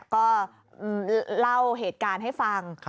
ก็เล่าเหตุการณ์ให้ฟัง